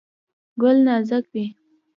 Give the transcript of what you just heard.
ګل نازک وي.